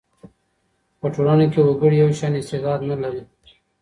په ټولنه کي وګړي یو شان استعداد نه لري.